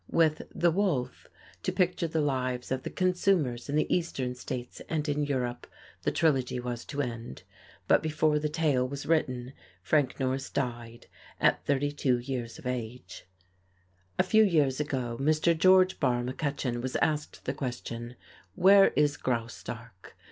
With "The Wolf," to picture the lives of the consumers in the Eastern States and in Europe, the Trilogy was to end. But before the tale was written Frank Norris died, at thirty two years of age. [Illustration: GEORGE BARR McCUTCHEON] A few years ago, Mr. George Barr McCutcheon was asked the question, "Where is Graustark?"